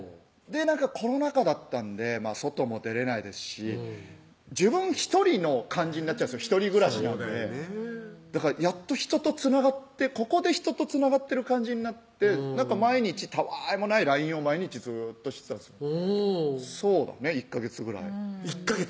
コロナ禍だったんで外も出れないですし自分１人の感じになっちゃう一人暮らしなんでだからやっと人とつながってここで人とつながってる感じになって毎日たあいもないＬＩＮＥを毎日ずっとしてたんですそうだね１ヵ月ぐらい１ヵ月？